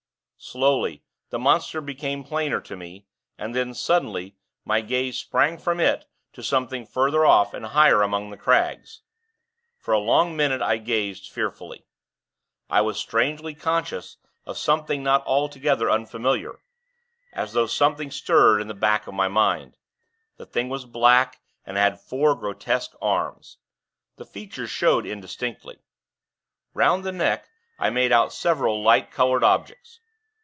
Slowly, the monster became plainer to me; and then, suddenly, my gaze sprang from it to something further off and higher among the crags. For a long minute, I gazed, fearfully. I was strangely conscious of something not altogether unfamiliar as though something stirred in the back of my mind. The thing was black, and had four grotesque arms. The features showed indistinctly, 'round the neck, I made out several light colored objects.